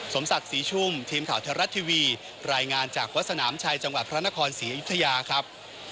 สมศักดิ์ศรีชุ่มทีมข่าวไทยรัฐทีวีรายงานจากวัดสนามชัยจังหวัดพระนครศรีอยุธยาครับ